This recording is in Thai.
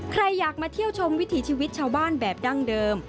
ใครอยากมาเที่ยวชมวิถีชีวิตชาวบ้านแบบดั้งเดิม